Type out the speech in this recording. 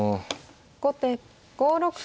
後手５六歩。